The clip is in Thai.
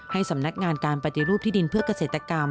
ให้สำนักงานการปฏิรูปที่ดินเพื่อเกษตรกรรม